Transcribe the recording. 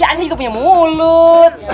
ya ini juga punya mulut